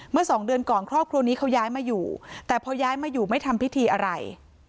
สองเดือนก่อนครอบครัวนี้เขาย้ายมาอยู่แต่พอย้ายมาอยู่ไม่ทำพิธีอะไร